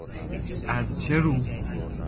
ازچه رو